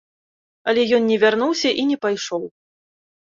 Але ён не вярнуўся і не пайшоў.